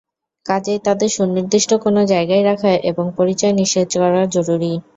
কাজেই তাদের সুনির্দিষ্ট কোনো জায়গায় রাখা এবং পরিচয় নিশ্চিত করা জরুরি।